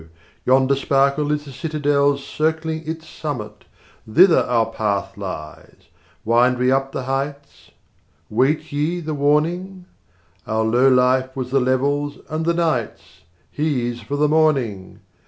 Yonder sparkle is the citadel's Circling its summit. 20 Thither our path lies; wind we up the heights: Wait ye the warning? Our low life was the level's and the night's; He's for the morning.